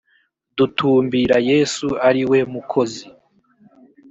dutumbira yesu ari we mukozi